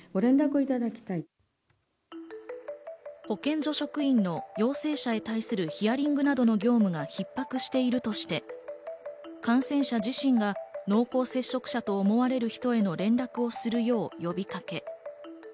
保健所職員の陽性者に対するヒアリングなどの業務が逼迫しているとして、感染者自身が濃厚接触者と思われる人への連絡をするよう呼びかけ。